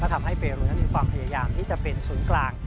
ทำให้เปรูนั้นมีความพยายามที่จะเป็นศูนย์กลาง